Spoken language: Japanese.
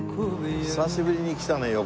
久しぶりに来たね